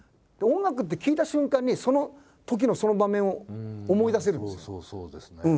でも音楽って聴いた瞬間にそのときのその場面を思い出せるんですよ。